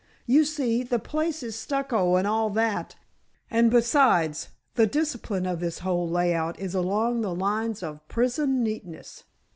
You see, the place is stucco and all that, and besides the discipline of this whole layout is along the lines of p'ison neatness!